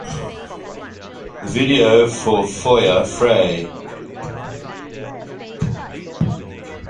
The video for Feuer frei!